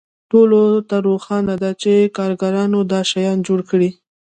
ټولو ته روښانه ده چې کارګرانو دا شیان جوړ کړي